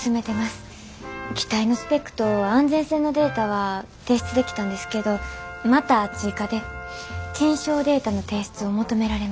機体のスペックと安全性のデータは提出できたんですけどまた追加で検証データの提出を求められました。